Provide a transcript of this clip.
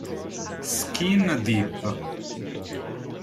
Skin Deep